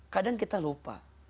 kadang kita lupa